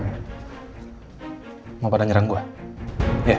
sampai jumpa lagi di ksatria mukjesh di youtube